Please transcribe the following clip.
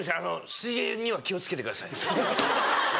水泳には気を付けてください。